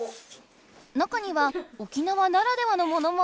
中には沖縄ならではのものも。